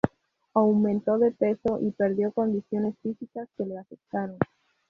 Aumentó de peso y perdió condiciones físicas que le afectaron.